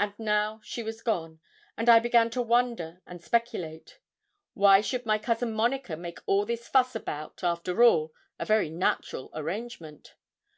And now she was gone, and I began to wonder and speculate. Why should my cousin Monica make all this fuss about, after all, a very natural arrangement?